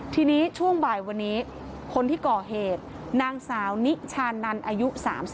ทีนี้ช่วงบ่ายวันนี้คนที่ก่อเหตุนางสาวนิชานันอายุ๓๒